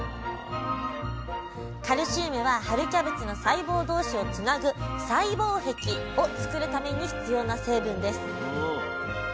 カルシウムは春キャベツの細胞同士をつなぐ「細胞壁」を作るために必要な成分です。